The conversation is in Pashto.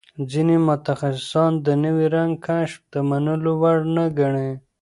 ځینې متخصصان د نوي رنګ کشف د منلو وړ نه ګڼي.